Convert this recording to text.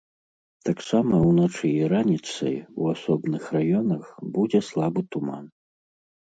Таксама ўначы і раніцай у асобных раёнах будзе слабы туман.